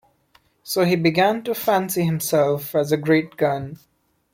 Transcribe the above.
So he began to fancy himself as a great gun.